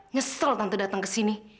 nyesel tante datang ke sini